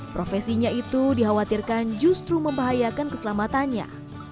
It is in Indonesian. profesinya itu dikhawatirkan justru membahayakan keselamatannya